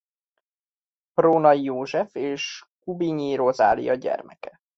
Prónay József és Kubinyi Rozália gyermeke.